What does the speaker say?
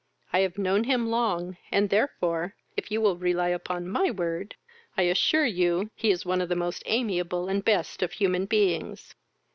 I have known him long, and therefore, if you will rely upon my word, I assure you he is one of the most amiable and best of human beings."